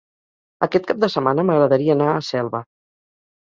Aquest cap de setmana m'agradaria anar a Selva.